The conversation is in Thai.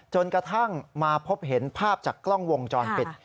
จนกระทั่งมาพบเห็นภาพจากกล้องวงจรปิด